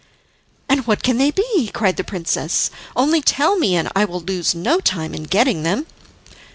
"And what can they be?" cried the princess. "Only tell me, and I will lose no time in getting them."